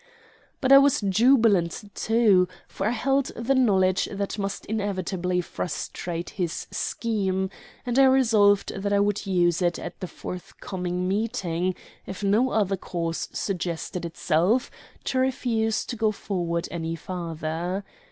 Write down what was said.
But I was jubilant too; for I held the knowledge that must inevitably frustrate his scheme, and I resolved that I would use it at the forthcoming meeting, if no other cause suggested itself, to refuse to go forward any farther.